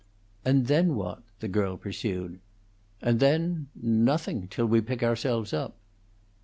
"And then what?" the girl pursued. "And then, nothing till we pick ourselves up."